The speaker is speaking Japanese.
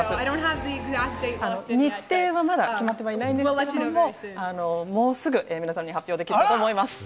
日程はまだ決まってはいないんですけれども、もうすぐ皆さんに発表できると思います。